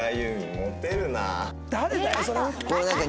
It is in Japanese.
モテるなあ。